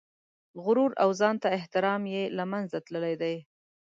غرور او ځان ته احترام یې له منځه تللي دي.